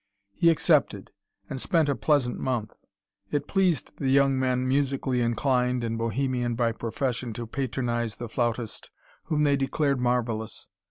He accepted, and spent a pleasant month. It pleased the young men musically inclined and bohemian by profession to patronise the flautist, whom they declared marvellous.